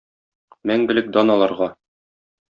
Мәңгелек дан аларга!